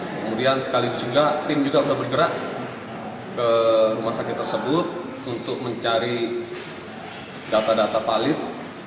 kemudian sekaligus juga tim juga sudah bergerak ke rumah sakit tersebut untuk mencari data data valid